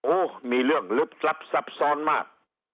โอ้มีเรื่องลึกซับซ้อนมาก